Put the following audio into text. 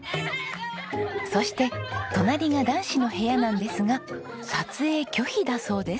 そして隣が男子の部屋なんですが撮影拒否だそうです。